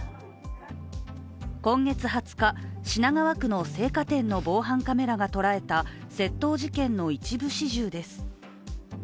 今月２０日、品川区の青果店の防犯カメラが捉えた窃盗事件の一部始終です。